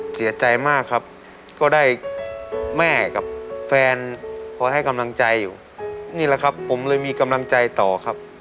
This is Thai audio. เสียใจมากครับก็ได้แม่กับแฟนคอยให้กำลังใจอยู่นี่แหละครับผมเลยมีกำลังใจต่อครับ